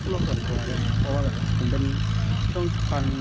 เพราะว่าผมเป็นช่วงก่อนด้านเดือนก่อนเป็นโรคซึมเศร้า